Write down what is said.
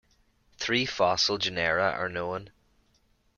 Three fossil genera are known.